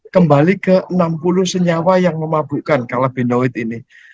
kembali ke enam puluh senyawa yang memabukkan kalabinoid ini